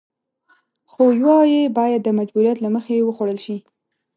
خو يوه يې بايد د مجبوريت له مخې وخوړل شي.